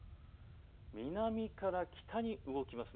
南から北に動きます。